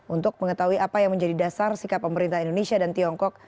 untuk mengetahui apa yang menjadi dasar sikap pemerintah indonesia dan tiongkok